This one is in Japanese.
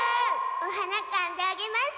おはなかんであげます。